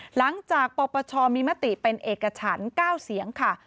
หลังจากปปชมีมติเป็นเอกฉัน๙เสียงค่ะ